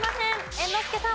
猿之助さん。